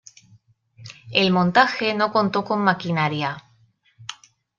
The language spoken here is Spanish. El montaje no contó con maquinaria.